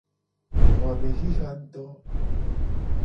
Xo a me xixa nguto.